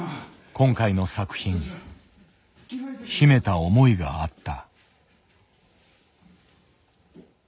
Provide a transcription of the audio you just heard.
今回の作品秘めた思いがあった。